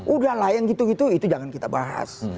udah lah yang gitu gitu itu jangan kita bahas